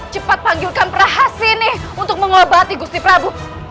cepat panggilkan prahasini untuk mengolbati gusti prabowo